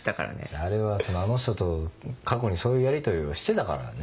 あれはあの人と過去にそういうやりとりをしてたからね。